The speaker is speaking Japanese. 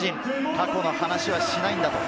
過去の話はしないんだ。